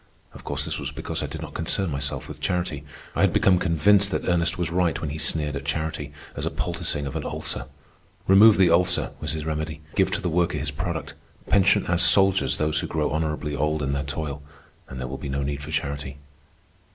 Of course, this was because I did not concern myself with charity. I had become convinced that Ernest was right when he sneered at charity as a poulticing of an ulcer. Remove the ulcer, was his remedy; give to the worker his product; pension as soldiers those who grow honorably old in their toil, and there will be no need for charity.